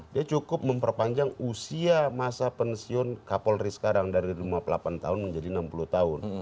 dia cukup memperpanjang usia masa pensiun kapolri sekarang dari lima puluh delapan tahun menjadi enam puluh tahun